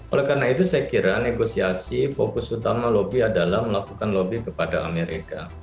oleh karena itu saya kira negosiasi fokus utama lobby adalah melakukan lobby kepada amerika